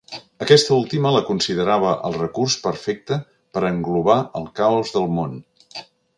Aquesta última la considerava el recurs perfecte per englobar el caos del món.